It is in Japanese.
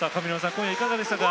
今夜いかがでしたか？